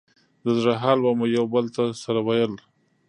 د زړه حال به مو يو بل ته سره ويل.